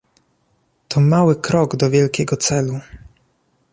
To mały krok do wielkiego celu